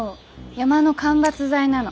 山の間伐材なの。